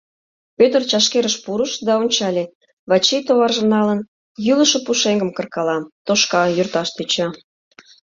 Пӧтыр чашкерыш пурыш да ончале: Вачий, товаржым налын, йӱлышӧ пушеҥгым кыркала, тошка, йӧрташ тӧча.